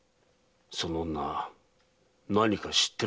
その女何か知ってるかもしれん。